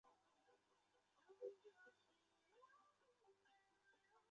霍夫出生于马萨诸塞州的波士顿。